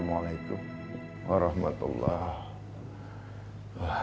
assalamualaikum warahmatullahi wabarakatuh